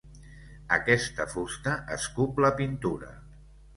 Aquesta fusta escup la pintura.